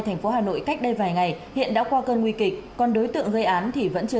thành phố hà nội cách đây vài ngày hiện đã qua cơn nguy kịch còn đối tượng gây án thì vẫn chưa